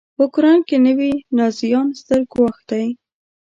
په اوکراین کې نوي نازیان ستر ګواښ دی.